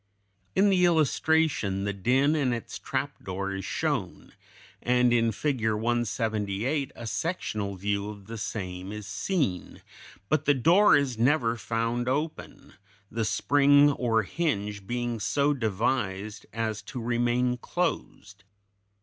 In the illustration, the den and its trapdoor is shown, and in Figure 178 a sectional view of the same is seen; but the door is never found open, the spring or hinge being so devised as to remain closed.